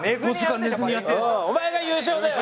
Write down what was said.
お前が優勝だよ。